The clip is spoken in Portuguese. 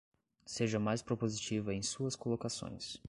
Seja mais propositiva em suas colocações